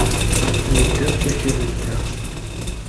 Yedda usakal-nteɣ.